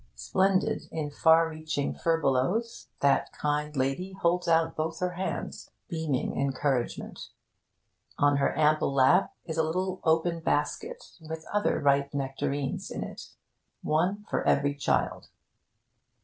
Splendid in far reaching furbelows, that kind lady holds out both her hands, beaming encouragement. On her ample lap is a little open basket with other ripe nectarines in it one for every child.